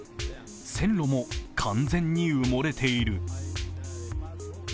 線路も完全に埋もれている。